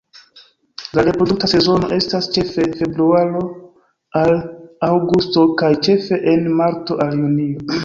La reprodukta sezono estas ĉefe februaro al aŭgusto kaj ĉefe en marto al junio.